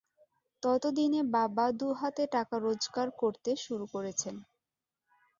ততদিনে বাবা দু হাতে টাকা রোজগার করতে শুরু করেছেন।